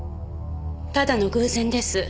ただの偶然です。